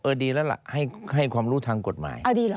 ดีแล้วล่ะให้ความรู้ทางกฎหมาย